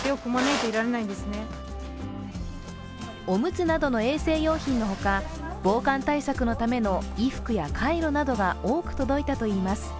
おむつなどの衛生用品のほか、防寒対策のための衣服やカイロなどが多く届いたといいます。